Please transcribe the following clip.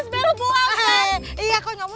nggak ada buktinya nyomut